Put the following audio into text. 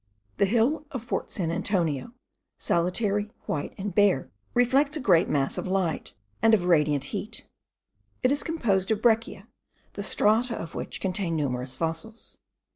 The hill of fort San Antonio, solitary, white, and bare, reflects a great mass of light, and of radiant heat: it is composed of breccia, the strata of which contain numerous fossils.